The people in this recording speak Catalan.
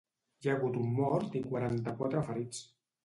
Hi ha hagut un mort i quaranta-quatre ferits.